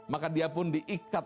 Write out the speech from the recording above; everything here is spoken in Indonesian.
maka dia pun diikuti dan diikuti